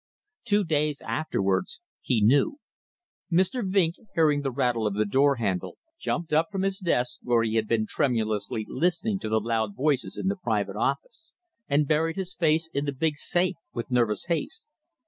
Two days afterwards he knew. Mr. Vinck, hearing the rattle of the door handle, jumped up from his desk where he had been tremulously listening to the loud voices in the private office and buried his face in the big safe with nervous haste.